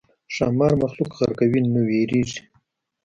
ښامار مخلوق غرقوي نو وېرېږي.